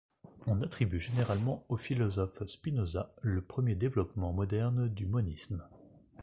On attribue généralement au philosophe Spinoza le premier développement moderne du monisme.